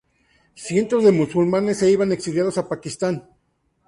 Cientos de musulmanes se iban exiliados a Pakistán.